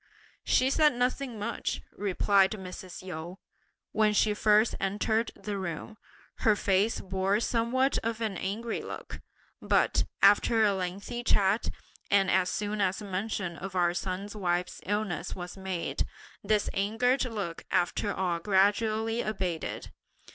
"She said nothing much," replied Mrs. Yu. "When she first entered the room, her face bore somewhat of an angry look, but, after a lengthy chat and as soon as mention of our son's wife's illness was made, this angered look after all gradually abated.